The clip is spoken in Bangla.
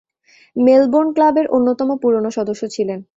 মেলবোর্ন ক্লাবের অন্যতম পুরনো সদস্য ছিলেন।